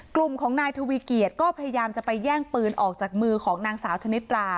กลุ่มของนายทวีเกียจก็พยายามจะไปแย่งปืนออกจากมือของนางสาวชนิดรา